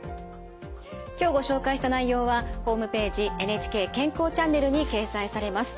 今日ご紹介した内容はホームページ「ＮＨＫ健康チャンネル」に掲載されます。